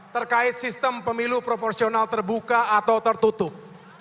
terkait sistem pemilu proporsional terbuka atau tertutup